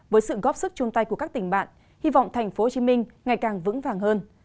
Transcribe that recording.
với sự góp sức chung tay của các tỉnh bạn hy vọng tp hcm ngày càng vững vàng hơn